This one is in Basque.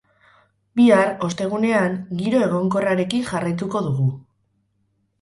Bihar, ostegunean, giro egonkorrarekin jarraituko dugu.